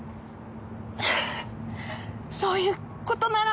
そういう事なら！